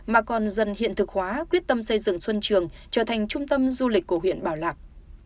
mà còn dần hiện thực hóa quyết tâm xây dựng xuân trường trở thành trung tâm du lịch của huyện bảo lạc